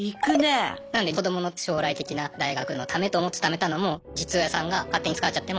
なので子どもの将来的な大学のためと思って貯めたのも実親さんが勝手に使っちゃっても問題なくなっちゃうというか。